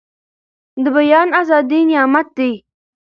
د بيان ازادي نعمت دی.